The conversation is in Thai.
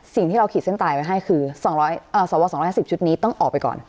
สิ่งที่เราขีดเส้นตายไว้ให้คือสองร้อยเอ่อสวสองร้อยห้าสิบชุดนี้ต้องออกไปก่อน